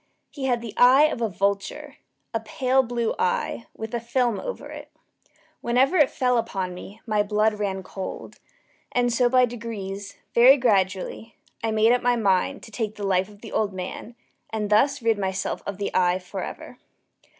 He had the eye of a vulture a pale blue eye, with a film over it. Whenever it fell upon me, my blood ran cold; and so by degrees very gradually I made up my mind to take the life of the old man, and thus rid myself of the eye forever.